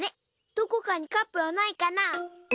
どこかにカップはないかな。